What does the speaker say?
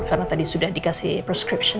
karena tadi sudah dikasih prescription